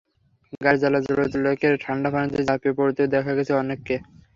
গায়ের জ্বালা জুড়াতে লেকের ঠান্ডা পানিতে ঝাঁপিয়ে পড়তেও দেখা গেছে অনেককে।